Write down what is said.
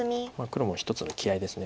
黒も一つの気合いです。